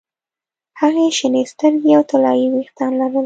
هغې شنې سترګې او طلايي ویښتان لرل